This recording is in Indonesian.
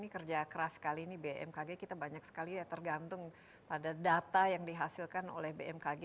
kerja keras sekali ini bmkg kita banyak sekali ya tergantung pada data yang dihasilkan oleh bmkg